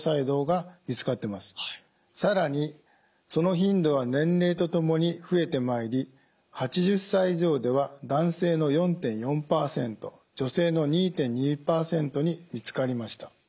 更にその頻度は年齢とともに増えてまいり８０歳以上では男性の４．４％女性の２．２％に見つかりました。